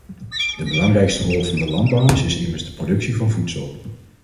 De belangrijkste rol van de landbouwers is immers de productie van voedsel.